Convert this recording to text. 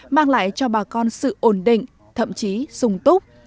mang lại cho bà con sự ổn định thậm chí sùng túc